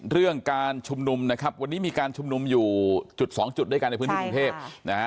เรื่องการชุมนุมนะครับวันนี้มีการชุมนุมอยู่จุดสองจุดด้วยกันในพื้นที่กรุงเทพนะฮะ